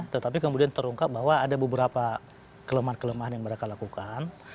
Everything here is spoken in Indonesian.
tetapi kemudian terungkap bahwa ada beberapa kelemahan kelemahan yang mereka lakukan